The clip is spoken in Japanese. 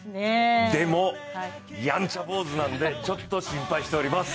でも、やんちゃ坊主なんでちょっと心配しております。